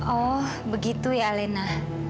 oh begitu ya alena